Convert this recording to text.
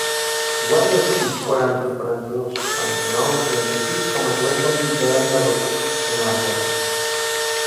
Guarda el sis, quaranta, quaranta-dos, setanta-nou, trenta-sis com a telèfon del Abacuc Bernardo.